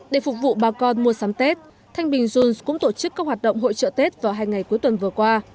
để phục vụ bà con mua sắm tết thanh bình junce cũng tổ chức các hoạt động hội trợ tết vào hai ngày cuối tuần vừa qua